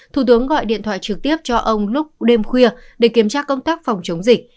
thủ tướng gọi điện thoại trực tiếp cho ông lúc đêm khuya để kiểm tra công tác phòng chống dịch